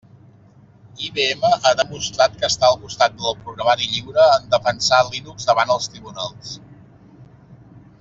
IBM ha demostrat que està al costat del programari lliure en defensar Linux davant els tribunals.